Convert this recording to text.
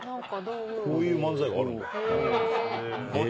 こういう漫才があるんだ。